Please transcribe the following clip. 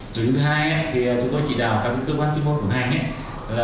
chủ yếu thứ hai thì chúng tôi chỉ đào các cơ quan tiên môn của hành